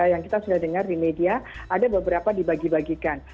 yang kita sudah dengar di media ada beberapa dibagi bagikan